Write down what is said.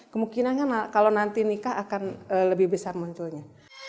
kemungkinan kan kalau nanti nikah akan lebih besar munculnya